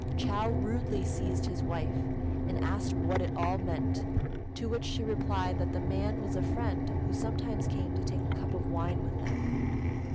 Chou rudely seized his wife, and asked what it all meant; to which she replied that the man was a friend who sometimes came to take a cup of wine with them.